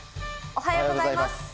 おはようございます。